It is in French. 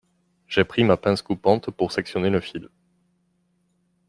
J’ai pris ma pince coupante pour sectionner le fil.